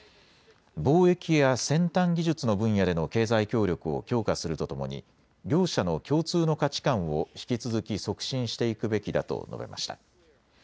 貿易や先端技術の分野での経済協力を強化するとともに両者の共通の価値観を引き続き促進していくべきだと述べました。